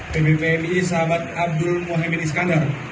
dan pbi pbi sahabat abdul muhyiddin iskandar